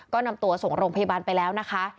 ก็นำตัวส่งโรงพยาบาลไปแล้วนะคะ